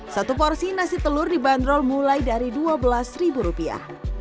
satu porsi nasi telur dibanderol mulai dari dua belas ribu rupiah